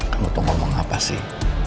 kamu tuh ngomong apa sih